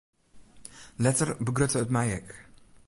Letter begrutte it my ek.